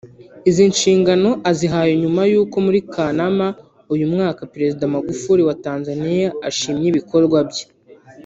Izi nshingano azihawe nyuma y’uko muri Kanama uyu mwaka Perezida Magufuli wa Tanzania ashimye ibikorwa bye